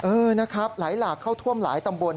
เออนะครับไหลหลากเข้าท่วมหลายตำบล